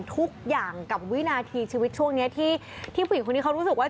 ทุกอย่างกับวินาทีชีวิตช่วงนี้ที่ผู้หญิงคนนี้เขารู้สึกว่า